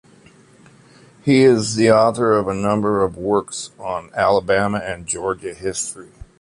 He is the author of a number of works on Alabama and Georgia history.